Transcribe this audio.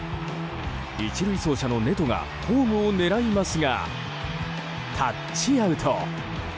１塁走者のネトがホームを狙いますがタッチアウト。